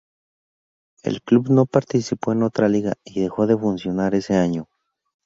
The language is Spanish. El club no participó en otra liga y dejó de funcionar ese año.